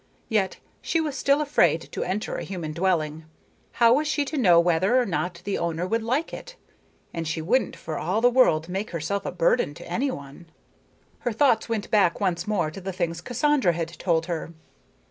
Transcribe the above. Yet she was still afraid to enter a human dwelling. How was she to know whether or not the owner would like it? And she wouldn't for all the world make herself a burden to anyone. Her thoughts went back once more to the things Cassandra had told her.